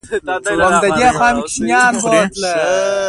توت خوري